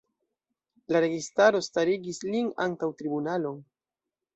La registaro starigis lin antaŭ tribunalon.